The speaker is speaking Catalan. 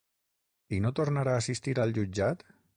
I no tornar a assistir al jutjat?